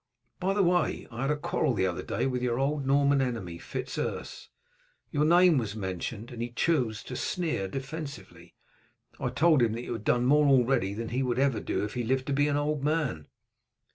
By the way, I had a quarrel the other day with your old Norman enemy, Fitz Urse. Your name was mentioned, and he chose to sneer offensively. I told him that you had done more already than he would ever do if he lived to be an old man.